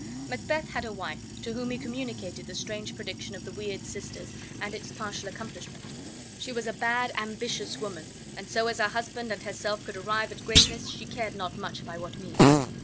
Macbeth had a wife, to whom he communicated the strange prediction of the weird sisters and its partial accomplishment. She was a bad, ambitious woman, and so as her husband and herself could arrive at greatness she cared not much by what means.